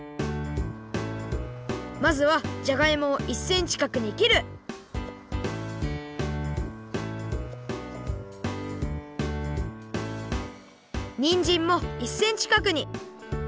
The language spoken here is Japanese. まずはジャガイモを１センチかくにきるニンジンも１センチかくに。